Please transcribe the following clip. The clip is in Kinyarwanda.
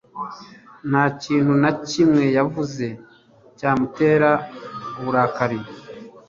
Nta kintu na kimwe yavuze cyamutera uburakari